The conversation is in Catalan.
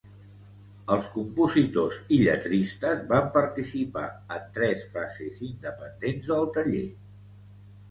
Els compositors i lletristes van participar en tres fases independents del taller.